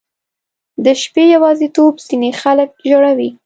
• د شپې یواځیتوب ځینې خلک ژړوي.